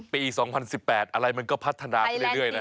ปี๒๐๑๘อะไรมันก็พัฒนาไปเรื่อยนะ